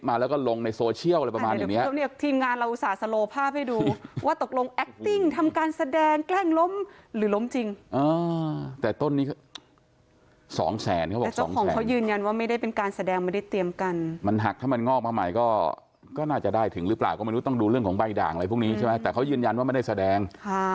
มันหักถ้ามันงอกมาใหม่ก็น่าจะได้ถึงหรือเปล่าก็มนุษย์ต้องดูเรื่องของใบด่างอะไรพวกนี้ใช่ไหมแต่เขายืนยันว่าไม่ได้แสดง